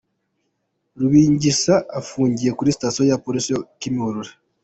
Rubingisa afungiye kuri Station ya Polisi ya Kimihurura.